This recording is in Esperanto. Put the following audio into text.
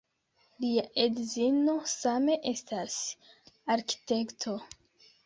Lia edzino same estas arkitekto.